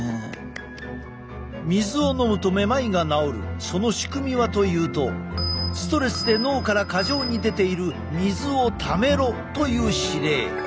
水を飲むとめまいが治るその仕組みはというとストレスで脳から過剰に出ている水をためろという指令。